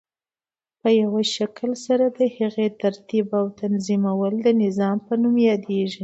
په یوه شکل سره د هغی ترتیب او تنظیمول د نظام په نوم یادیږی.